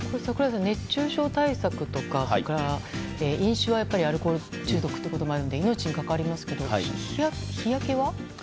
熱中症対策とかそれから飲酒はアルコール中毒とかもあるので命に関わりますけど日焼けは？